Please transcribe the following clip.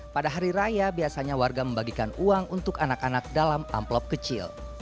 pada hari raya biasanya warga membagikan uang untuk anak anak dalam amplop kecil